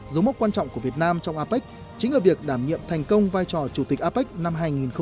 dấu mốc quan trọng của việt nam trong apec chính là việc đảm nhiệm thành công vai trò chủ tịch apec năm hai nghìn hai mươi